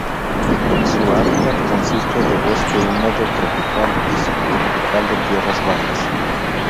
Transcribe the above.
Su hábitat consiste de bosque húmedo tropical y subtropical de tierras bajas.